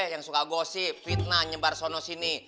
yang suka gosip fitnah nyebar sono sini